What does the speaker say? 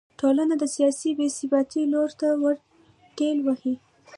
ټولنه د سیاسي بې ثباتۍ لور ته ور ټېل وهي.